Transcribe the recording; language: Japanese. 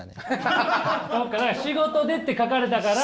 「仕事で」って書かれたから。